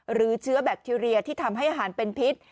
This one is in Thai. หรือเชื้อแบคทีเรียที่ทำให้อาหารเป็นพิษ